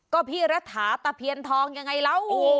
ก็พี่รัฐาตะเพียนทองยังไงแล้ว